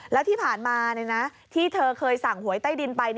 แล้วที่ผ่านมาที่เธอเคยสั่งหวยใต้ดินไป